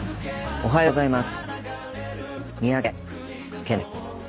おはようございます。